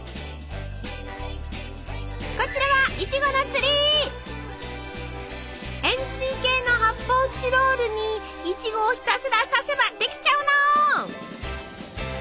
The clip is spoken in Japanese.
こちらは円すい形の発泡スチロールにいちごをひたすら刺せばできちゃうの！